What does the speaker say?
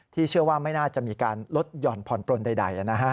เชื่อว่าไม่น่าจะมีการลดหย่อนผ่อนปลนใด